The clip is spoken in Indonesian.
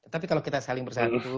tapi kalau kita saling bersatu